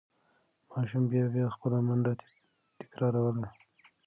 ماشوم بیا بیا خپله منډه تکراروله.